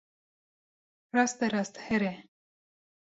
Rasterast here.